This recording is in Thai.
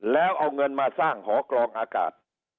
แล้วเอาเงินมาสร้างหอกรองอากาศ